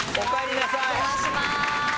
お邪魔します。